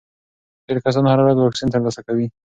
ډېر کسان هره ورځ واکسین ترلاسه کوي.